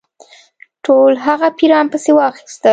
ټول هغه پیران پسي واخیستل.